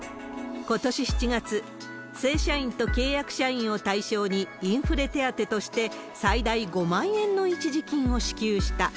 ことし７月、正社員と契約社員を対象にインフレ手当として、最大５万円の一時金を支給した。